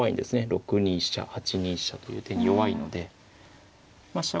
６二飛車８二飛車という手に弱いのでまあ飛車